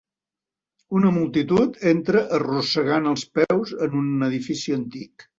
Una multitud entra arrossegant els peus en un edifici antic.